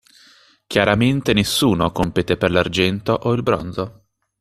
Chiaramente nessuno compete per l'Argento o il Bronzo.